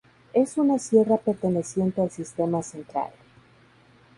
Es una Sierra perteneciente al Sistema Central.